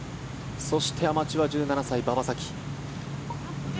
そしてアマチュア１７歳、馬場咲希。